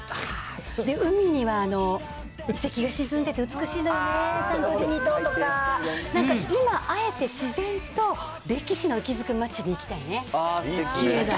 海には遺跡が沈んでて美しいのよね、島とか、今あえて自然と歴史の息づく街に行きたいね。